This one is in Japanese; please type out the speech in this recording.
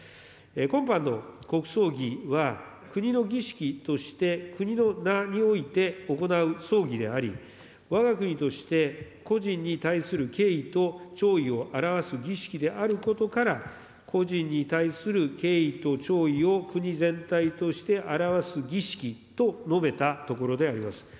今般の国葬儀は、国の儀式として国の名において行う葬儀であり、わが国として故人に対する敬意と弔意を表す儀式であることから、故人に対する敬意と弔意を国全体として表す儀式と述べたところであります。